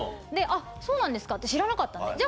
あっそうなんですかって知らなかったんで。